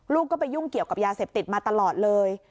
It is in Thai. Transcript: ลูกก็ไปยุ่งเกี่ยวกับยาเสพติดมาตลอดเลย